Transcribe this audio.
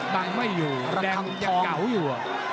บังไม่อยู่แดงเก๋าอยู่